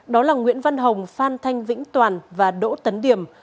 đó là nguyễn văn hồng phan thanh vĩnh toàn và đỗ tấn điểm